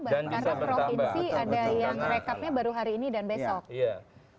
dan bisa bertambah karena provinsi ada yang rekapnya baru hari ini dan besok